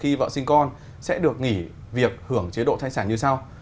khi vợ sinh con sẽ được nghỉ việc hưởng chế độ thai sản như sau